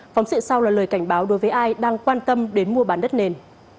phóng sự sau là lời cảnh báo đối với ai đang quan tâm đến mua bán đất nền